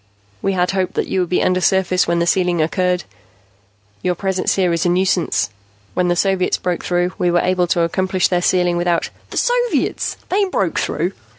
"We had hoped that you would be undersurface when the sealing occurred. Your presence here is a nuisance. When the Soviets broke through, we were able to accomplish their sealing without " "The Soviets? They broke through?"